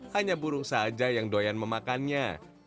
hanya burung saja yang doyan memakannya